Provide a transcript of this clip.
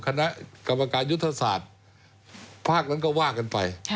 คณะกรรมการยุทธศาสตร์ภาคนั้นก็ว่ากันไป